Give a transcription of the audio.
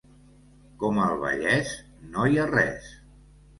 Com el Vallès no hi ha res.